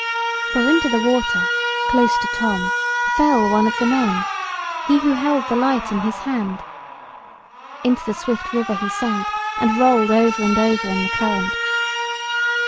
For into the water, close to Tom, fell one of the men; he who held the light in his hand. Into the swift river he sank, and rolled over and over in the current.